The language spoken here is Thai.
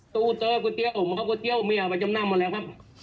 ตู้เต๊อกระเตี๊ยวม้อกระเตี๊ยวไม่เอาแบบจำนำอะไรครับ